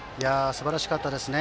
すばらしかったですね。